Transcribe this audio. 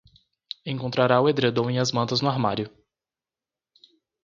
Encontrará o edredom e as mantas no armário